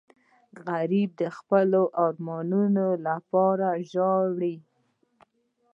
غریب د خپلو ارمانونو لپاره ژاړي